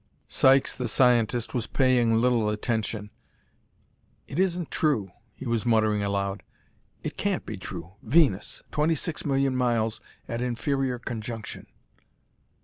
Sykes, the scientist, was paying little attention. "It isn't true," he was muttering aloud; "it can't be true. Venus! Twenty six million miles at inferior conjunction!"